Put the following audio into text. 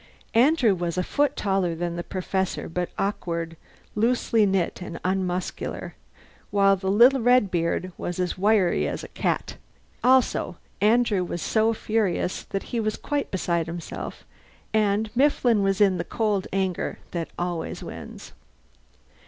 Andrew was a foot taller than the Professor, but awkward, loosely knit, and unmuscular, while the little Redbeard was wiry as a cat. Also Andrew was so furious that he was quite beside himself, and Mifflin was in the cold anger that always wins.